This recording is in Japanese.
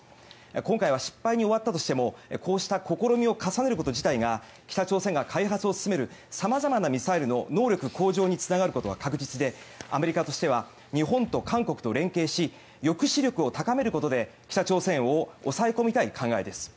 今回は失敗に終わったとしてもこうした試みを重ねること自体が北朝鮮が開発を進める様々なミサイルの能力向上につながることは確実でアメリカとしては日本と韓国と連携し抑止力を高めることで北朝鮮を抑え込みたい考えです。